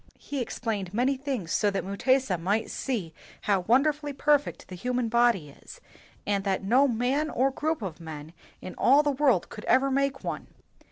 He explained many things so that Mutesa might see h6w won derfully perf ect the human body is, and that no man or group of men in all the world could ever make one.